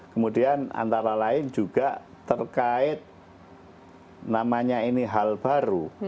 kemudian antara lain juga terkait namanya ini hal baru